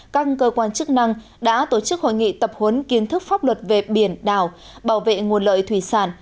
các cơ quan chức năng đã tổ chức hội nghị tập huấn kiến thức pháp luật về biển đảo bảo vệ nguồn lợi thủy sản